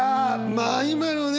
まあ今のね